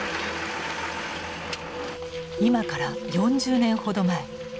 今から４０年ほど前。